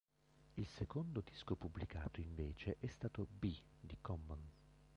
Il secondo disco pubblicato invece è stato "Be" di Common.